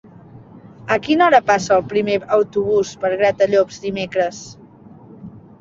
A quina hora passa el primer autobús per Gratallops dimecres?